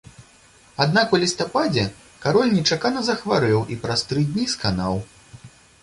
Аднак у лістападзе кароль нечакана захварэў і праз тры дні сканаў.